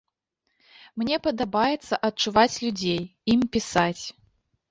Мне падабаецца адчуваць людзей, ім пісаць.